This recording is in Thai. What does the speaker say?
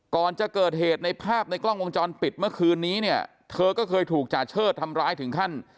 ก่อนจะเกิดเหตุในภาพในกล้องวงจรปิดเมื่อคืนนี้เนี่ยเธอก็เคยถูกจาเชิดทำร้ายถึงขั้น